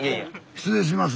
失礼します。